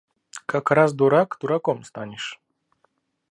Как раз дурак дураком станешь.